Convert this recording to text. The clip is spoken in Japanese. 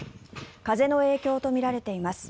風の影響とみられています。